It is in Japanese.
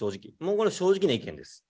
これ、正直な意見です。